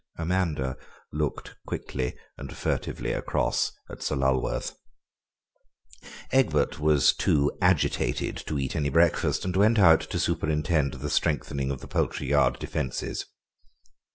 Amanda looked quickly and furtively across at Sir Lulworth. Egbert was too agitated to eat any breakfast, and went out to superintend the strengthening of the poultry yard defences.